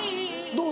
どう？